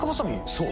そう。